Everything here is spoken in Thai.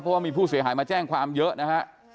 เพราะว่ามีผู้เสียหายมาแจ้งความเยอะนะฮะ